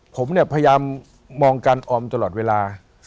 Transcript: ผมเนี่ยพยายามมองการออมตลอดเวลา